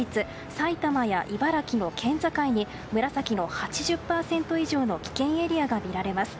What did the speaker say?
埼玉や茨城の県境に紫の８０％以上の危険エリアが見られます。